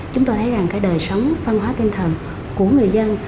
chúng tôi thấy rằng cái đời sống văn hóa tinh thần của người dân